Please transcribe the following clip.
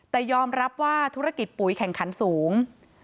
แต่ยอมรับว่าธุรกิจปุ๋ยแข่งขันสูง